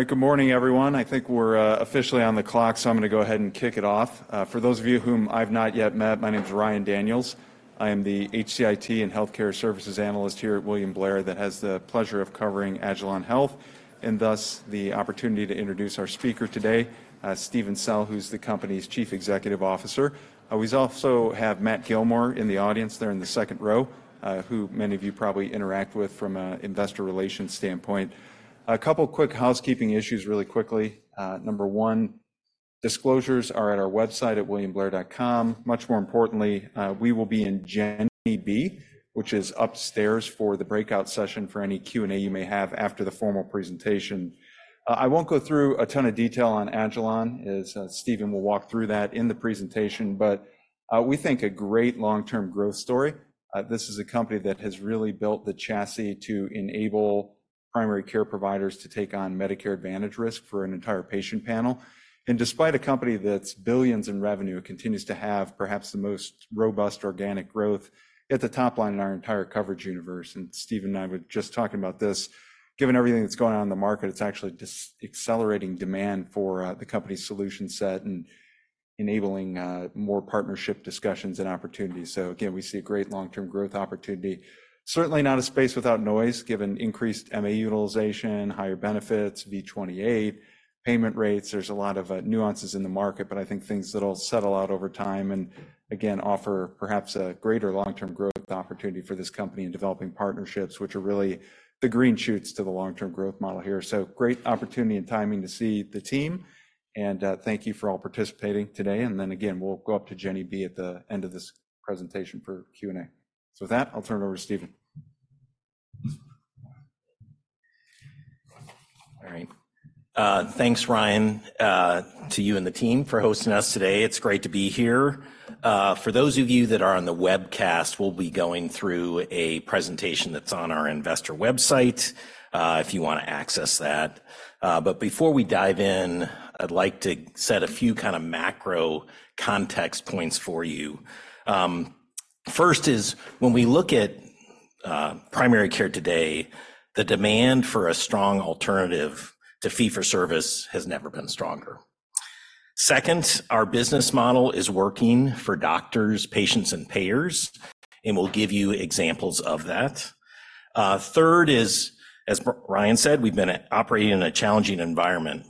All right, good morning, everyone. I think we're officially on the clock, so I'm going to go ahead and kick it off. For those of you whom I've not yet met, my name is Ryan Daniels. I am the HCIT and Healthcare Services Analyst here at William Blair that has the pleasure of covering Agilon Health, and thus, the opportunity to introduce our speaker today, Steven Sell, who's the company's Chief Executive Officer. We also have Matt Gilmore in the audience there in the second row, who many of you probably interact with from a investor relations standpoint. A couple quick housekeeping issues really quickly. Number one, disclosures are at our website at williamblair.com. Much more importantly, we will be in Jenner B, which is upstairs for the breakout session, for any Q&A you may have after the formal presentation. I won't go through a ton of detail on Agilon, as Stephen will walk through that in the presentation, but we think a great long-term growth story. This is a company that has really built the chassis to enable primary care providers to take on Medicare Advantage risk for an entire patient panel. And despite a company that's billions in revenue, it continues to have perhaps the most robust organic growth at the top line in our entire coverage universe. And Stephen and I were just talking about this. Given everything that's going on in the market, it's actually accelerating demand for the company's solution set and enabling more partnership discussions and opportunities. So again, we see a great long-term growth opportunity. Certainly not a space without noise, given increased MA utilization, higher benefits, V28, payment rates. There's a lot of nuances in the market, but I think things that'll settle out over time, and again, offer perhaps a greater long-term growth opportunity for this company in developing partnerships, which are really the green shoots to the long-term growth model here. So great opportunity and timing to see the team, and thank you for all participating today. And then again, we'll go up to Jenney B at the end of this presentation for Q&A. So with that, I'll turn it over to Stephen. All right. Thanks, Ryan, to you and the team for hosting us today. It's great to be here. For those of you that are on the webcast, we'll be going through a presentation that's on our investor website, if you want to access that. But before we dive in, I'd like to set a few kinda macro context points for you. First is, when we look at primary care today, the demand for a strong alternative to fee-for-service has never been stronger. Second, our business model is working for doctors, patients, and payers, and we'll give you examples of that. Third is, as Ryan said, we've been operating in a challenging environment,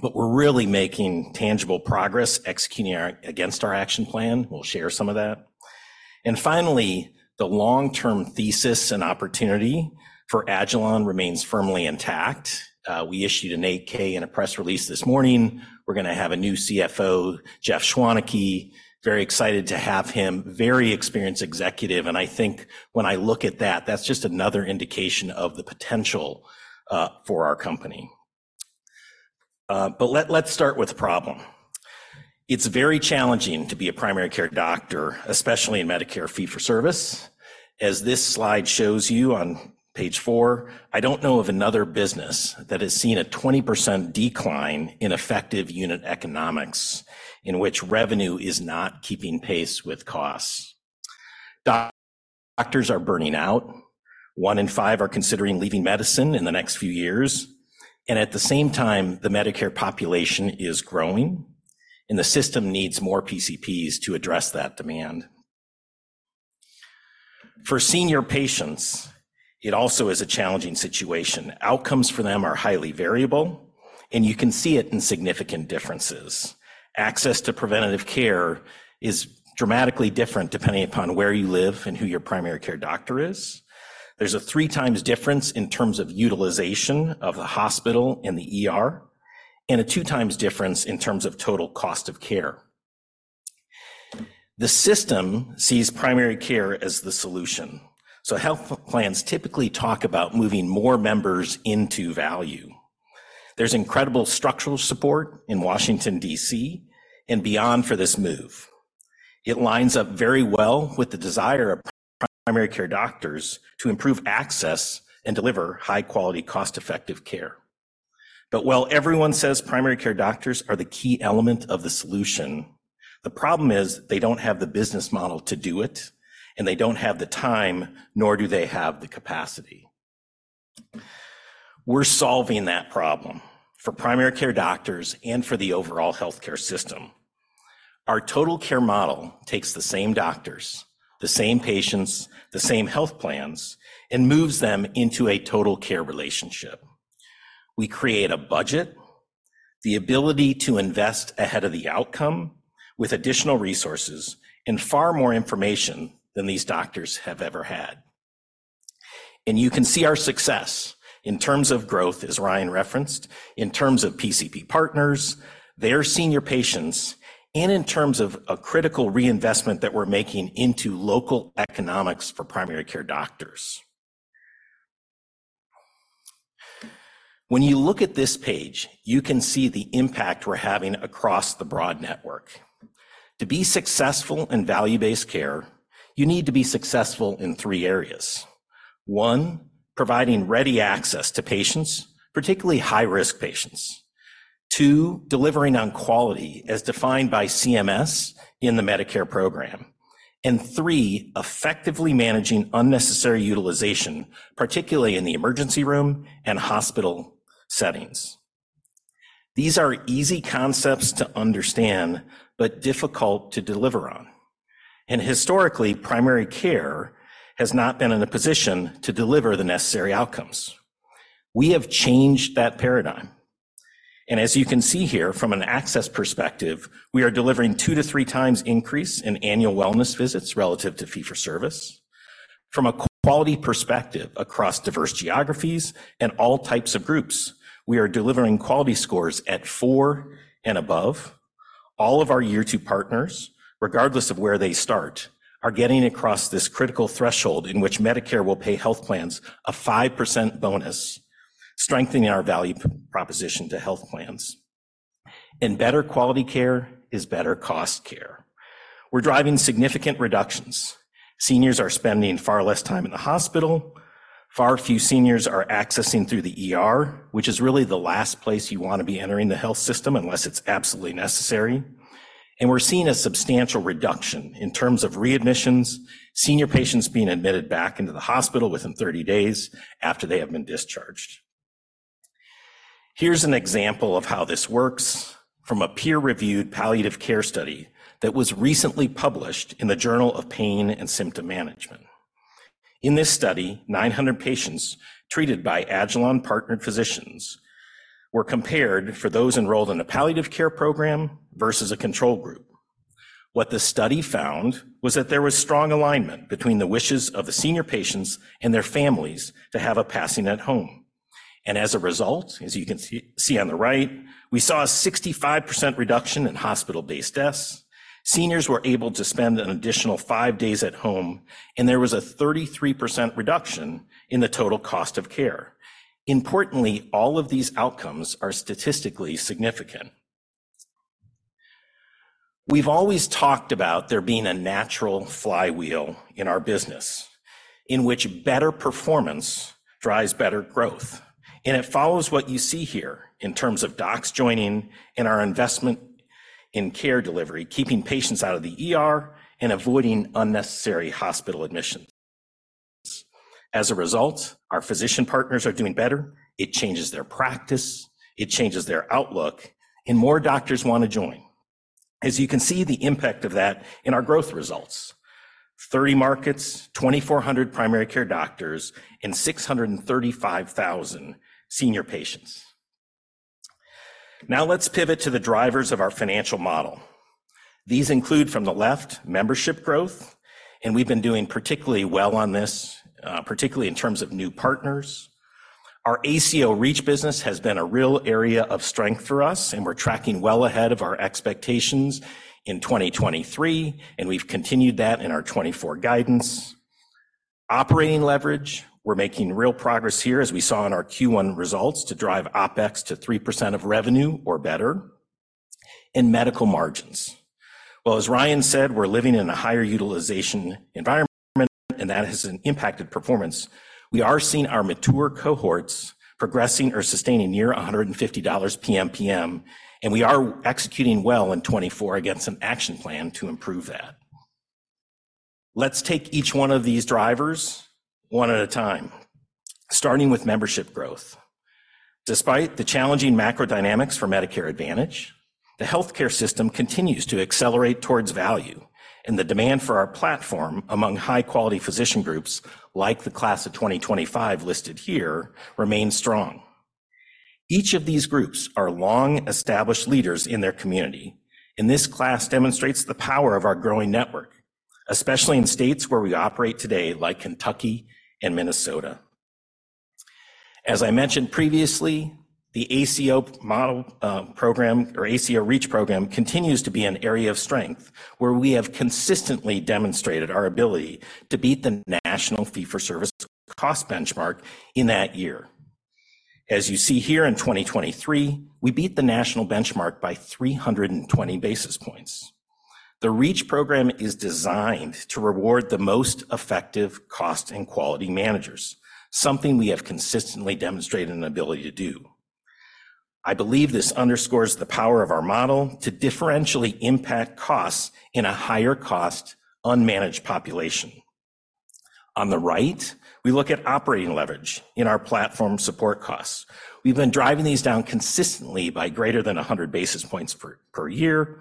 but we're really making tangible progress executing against our action plan. We'll share some of that. And finally, the long-term thesis and opportunity for Agilon remains firmly intact. We issued an 8-K and a press release this morning. We're gonna have a new CFO, Jeff Schwaneke. Very excited to have him, very experienced executive, and I think when I look at that, that's just another indication of the potential for our company. But let's start with the problem. It's very challenging to be a primary care doctor, especially in Medicare fee-for-service. As this slide shows you on page four, I don't know of another business that has seen a 20% decline in effective unit economics in which revenue is not keeping pace with costs. Doctors are burning out. One in five are considering leaving medicine in the next few years, and at the same time, the Medicare population is growing, and the system needs more PCPs to address that demand. For senior patients, it also is a challenging situation. Outcomes for them are highly variable, and you can see it in significant differences. Access to preventative care is dramatically different depending upon where you live and who your primary care doctor is. There's a three times difference in terms of utilization of the hospital and the ER, and a two times difference in terms of total cost of care. The system sees primary care as the solution, so health plans typically talk about moving more members into value. There's incredible structural support in Washington, D.C. and beyond for this move. It lines up very well with the desire of primary care doctors to improve access and deliver high-quality, cost-effective care. But while everyone says primary care doctors are the key element of the solution, the problem is they don't have the business model to do it, and they don't have the time, nor do they have the capacity. We're solving that problem for primary care doctors and for the overall healthcare system. Our Total Care Model takes the same doctors, the same patients, the same health plans, and moves them into a total care relationship. We create a budget, the ability to invest ahead of the outcome with additional resources and far more information than these doctors have ever had. And you can see our success in terms of growth, as Ryan referenced, in terms of PCP partners, their senior patients, and in terms of a critical reinvestment that we're making into local economies for primary care doctors. When you look at this page, you can see the impact we're having across the broad network. To be successful in value-based care, you need to be successful in three areas: one, providing ready access to patients, particularly high-risk patients.... two, delivering on quality as defined by CMS in the Medicare program. three, effectively managing unnecessary utilization, particularly in the emergency room and hospital settings. These are easy concepts to understand, but difficult to deliver on, and historically, primary care has not been in a position to deliver the necessary outcomes. We have changed that paradigm, and as you can see here, from an access perspective, we are delivering two to three times increase in annual wellness visits relative to fee-for-service. From a quality perspective across diverse geographies and all types of groups, we are delivering quality scores at four and above. All of our year two partners, regardless of where they start, are getting across this critical threshold in which Medicare will pay health plans a 5% bonus, strengthening our value proposition to health plans. Better quality care is better cost care. We're driving significant reductions. Seniors are spending far less time in the hospital. Far fewer seniors are accessing through the ER, which is really the last place you want to be entering the health system unless it's absolutely necessary. We're seeing a substantial reduction in terms of readmissions, senior patients being admitted back into the hospital within 30 days after they have been discharged. Here's an example of how this works from a peer-reviewed palliative care study that was recently published in the Journal of Pain and Symptom Management. In this study, 900 patients treated by Agilon partnered physicians were compared for those enrolled in a palliative care program versus a control group. What the study found was that there was strong alignment between the wishes of the senior patients and their families to have a passing at home. As a result, as you can see on the right, we saw a 65% reduction in hospital-based deaths. Seniors were able to spend an additional five days at home, and there was a 33% reduction in the total cost of care. Importantly, all of these outcomes are statistically significant. We've always talked about there being a natural flywheel in our business, in which better performance drives better growth, and it follows what you see here in terms of docs joining and our investment in care delivery, keeping patients out of the ER and avoiding unnecessary hospital admissions. As a result, our physician partners are doing better. It changes their practice, it changes their outlook, and more doctors want to join. As you can see, the impact of that in our growth results: 30 markets, 2,400 primary care doctors, and 635,000 senior patients. Now, let's pivot to the drivers of our financial model. These include, from the left, membership growth, and we've been doing particularly well on this, particularly in terms of new partners. Our ACO REACH business has been a real area of strength for us, and we're tracking well ahead of our expectations in 2023, and we've continued that in our 2024 guidance. Operating leverage, we're making real progress here, as we saw in our Q1 results, to drive OpEx to 3% of revenue or better. And medical margins. Well, as Ryan said, we're living in a higher utilization environment, and that has impacted performance. We are seeing our mature cohorts progressing or sustaining near $150 PMPM, and we are executing well in 2024 against an action plan to improve that. Let's take each one of these drivers one at a time, starting with membership growth. Despite the challenging macro dynamics for Medicare Advantage, the healthcare system continues to accelerate towards value, and the demand for our platform among high-quality physician groups, like the class of 2025 listed here, remains strong. Each of these groups are long-established leaders in their community, and this class demonstrates the power of our growing network, especially in states where we operate today, like Kentucky and Minnesota. As I mentioned previously, the ACO model, program or ACO Reach program continues to be an area of strength, where we have consistently demonstrated our ability to beat the national fee-for-service cost benchmark in that year. As you see here in 2023, we beat the national benchmark by 320 basis points. The Reach program is designed to reward the most effective cost and quality managers, something we have consistently demonstrated an ability to do. I believe this underscores the power of our model to differentially impact costs in a higher-cost, unmanaged population. On the right, we look at operating leverage in our platform support costs. We've been driving these down consistently by greater than 100 basis points per year.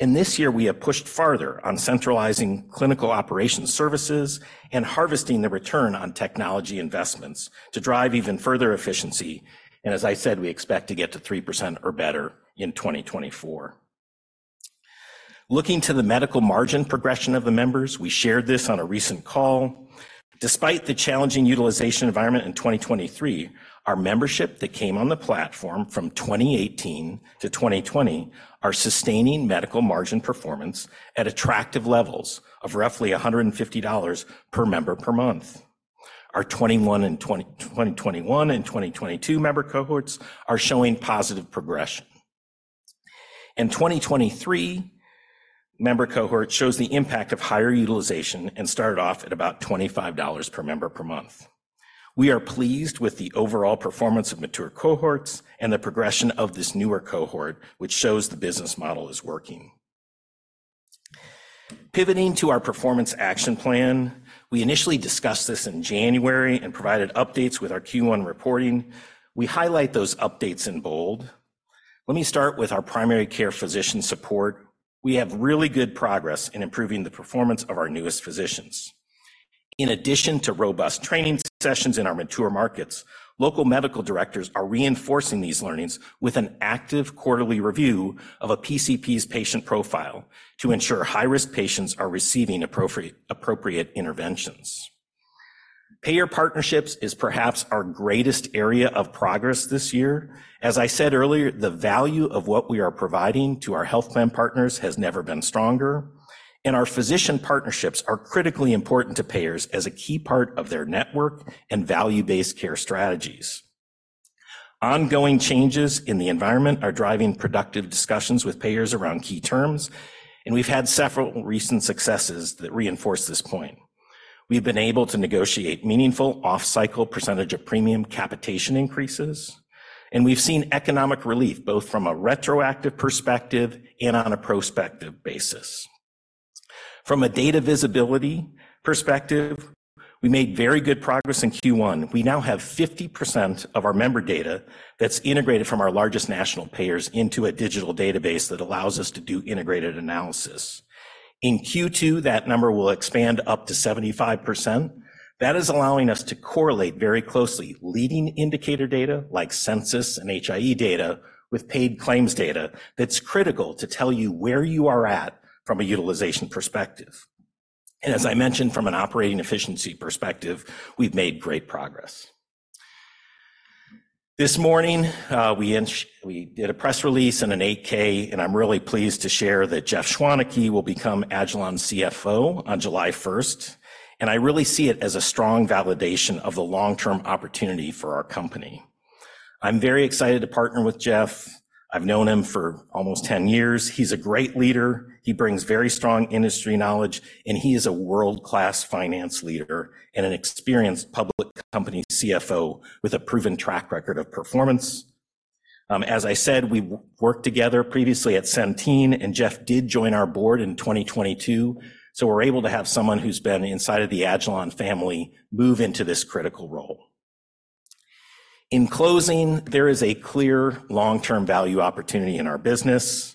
This year, we have pushed farther on centralizing clinical operations services and harvesting the return on technology investments to drive even further efficiency. As I said, we expect to get to 3% or better in 2024. Looking to the medical margin progression of the members, we shared this on a recent call. Despite the challenging utilization environment in 2023, our membership that came on the platform from 2018 to 2020 are sustaining Medical Margin performance at attractive levels of roughly $150 per member per month. Our 2021 and 2022 member cohorts are showing positive progression... and 2023 member cohort shows the impact of higher utilization and started off at about $25 per member per month. We are pleased with the overall performance of mature cohorts and the progression of this newer cohort, which shows the business model is working. Pivoting to our performance action plan, we initially discussed this in January and provided updates with our Q1 reporting. We highlight those updates in bold. Let me start with our primary care physician support. We have really good progress in improving the performance of our newest physicians. In addition to robust training sessions in our mature markets, local medical directors are reinforcing these learnings with an active quarterly review of a PCP's patient profile to ensure high-risk patients are receiving appropriate interventions. Payer partnerships is perhaps our greatest area of progress this year. As I said earlier, the value of what we are providing to our health plan partners has never been stronger, and our physician partnerships are critically important to payers as a key part of their network and value-based care strategies. Ongoing changes in the environment are driving productive discussions with payers around key terms, and we've had several recent successes that reinforce this point. We've been able to negotiate meaningful off-cycle percentage of premium capitation increases, and we've seen economic relief, both from a retroactive perspective and on a prospective basis. From a data visibility perspective, we made very good progress in Q1. We now have 50% of our member data that's integrated from our largest national payers into a digital database that allows us to do integrated analysis. In Q2, that number will expand up to 75%. That is allowing us to correlate very closely leading indicator data like census and HIE data with paid claims data that's critical to tell you where you are at from a utilization perspective. And as I mentioned, from an operating efficiency perspective, we've made great progress. This morning, we did a press release and an 8-K, and I'm really pleased to share that Jeff Schwaneke will become Agilon's CFO on July first. And I really see it as a strong validation of the long-term opportunity for our company. I'm very excited to partner with Jeff. I've known him for almost 10 years. He's a great leader. He brings very strong industry knowledge, and he is a world-class finance leader and an experienced public company CFO with a proven track record of performance. As I said, we worked together previously at Centene, and Jeff did join our board in 2022, so we're able to have someone who's been inside of the Agilon family move into this critical role. In closing, there is a clear long-term value opportunity in our business.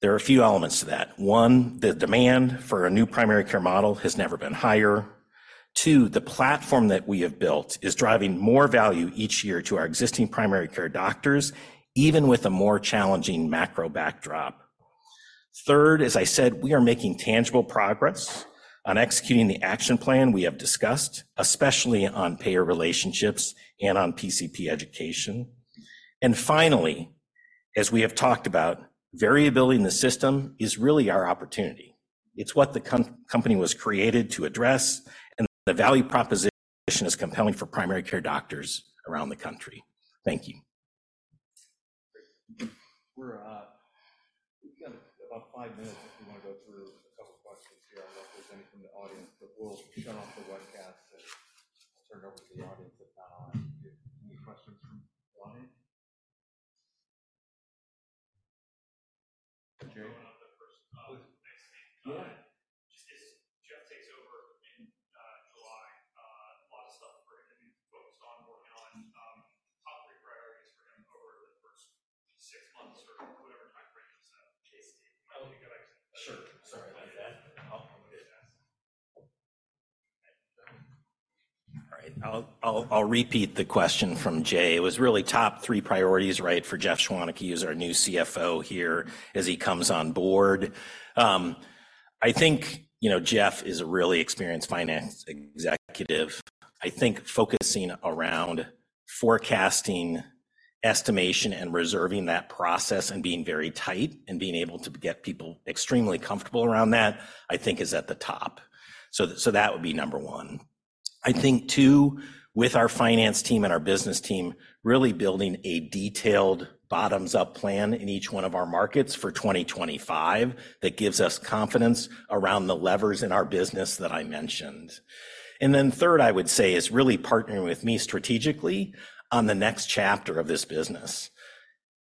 There are a few elements to that. One, the demand for a new primary care model has never been higher. Two, the platform that we have built is driving more value each year to our existing primary care doctors, even with a more challenging macro backdrop. Third, as I said, we are making tangible progress on executing the action plan we have discussed, especially on payer relationships and on PCP education. Finally, as we have talked about, variability in the system is really our opportunity. It's what the company was created to address, and the value proposition is compelling for primary care doctors around the country. Thank you. We've got about five minutes if you wanna go through a couple questions here, unless there's any from the audience. But we'll shut off the webcast and turn it over to the audience if any questions from online. Jay? I'll have the first. Thanks. Yeah. Just as Jeff takes over in July, a lot of stuff we're gonna be focused on working on. Top three priorities for him over the first six months or whatever time frame is, Casey. Sure. Sorry about that. Okay. All right. I'll repeat the question from Jay. It was really top three priorities, right, for Jeff Schwaneke as our new CFO here as he comes on board. I think, you know, Jeff is a really experienced finance executive. I think focusing around forecasting, estimation, and reserving that process and being very tight and being able to get people extremely comfortable around that, I think is at the top. So that would be number one. I think, two, with our finance team and our business team, really building a detailed bottoms-up plan in each one of our markets for 2025 that gives us confidence around the levers in our business that I mentioned. And then third, I would say, is really partnering with me strategically on the next chapter of this business.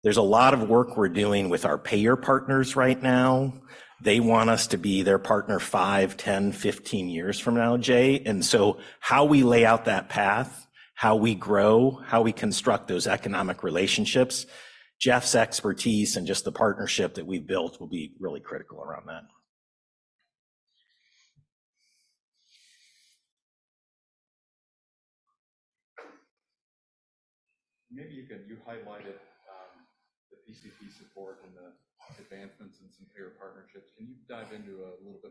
There's a lot of work we're doing with our payer partners right now. They want us to be their partner five, 10, 15 years from now, Jay. And so how we lay out that path, how we grow, how we construct those economic relationships, Jeff's expertise, and just the partnership that we've built will be really critical around that. Maybe you can... You highlighted the PCP support and the advancements in some payer partnerships. Can you dive into a little bit more-